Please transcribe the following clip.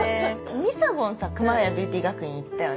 みさごんさ熊谷ビューティー学院行ったよね。